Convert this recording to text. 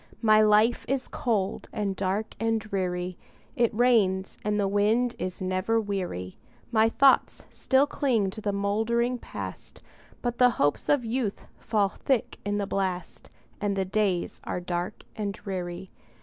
My life is cold, and dark, and dreary; It rains, and the wind is never weary; My thoughts still cling to the moldering Past, But the hopes of youth fall thick in the blast, And the days are dark and dreary.